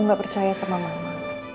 aku gak percaya sama mama